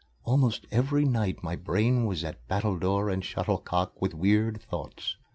Almost every night my brain was at battledore and shuttlecock with weird thoughts.